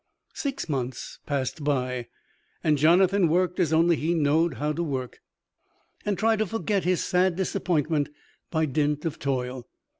Six months passed by, and Jonathan worked as only he knowed how to work, and tried to forget his sad disappointment by dint of toil.